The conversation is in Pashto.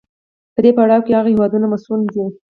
په دې پړاو کې هغه هېوادونه مصون دي.